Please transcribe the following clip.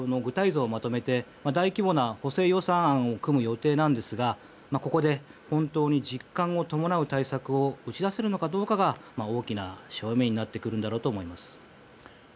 像をまとめて大規模な補正予算案を組む予定なんですがここで本当に実感を伴う対策を打ち出せるのかどうかが大きな潮目になってくるんだろうと思います。